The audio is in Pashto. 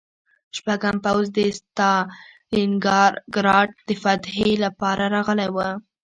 شپږم پوځ د ستالینګراډ د فتحې لپاره راغلی و